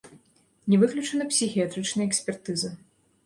Не выключана псіхіятрычная экспертыза.